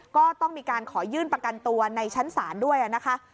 ก็ต้องมีการขอยื่นประกันตัวในชั้นศาลด้วยนะคะ